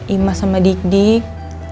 ima sama dik dik